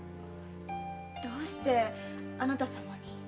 どうしてあなたさまに？